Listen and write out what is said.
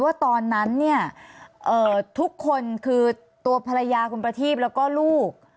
ว่าตอนนั้นเนี่ยทุกคนคือตัวภรรยาคุณประทีพแล้วก็ลูก